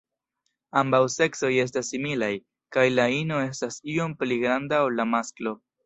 Ambaŭ seksoj estas similaj, kaj la ino estas iom pli granda ol la masklo.